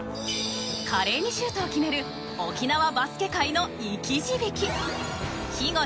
華麗にシュートを決める沖縄バスケ界の生き字引日越延利さん。